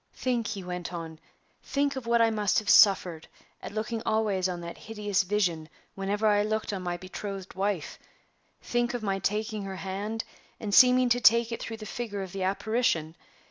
"Think," he went on, "think of what I must have suffered at looking always on that hideous vision whenever I looked on my betrothed wife! Think of my taking her hand, and seeming to take it through the figure of the apparition!